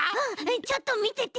ちょっとみてて！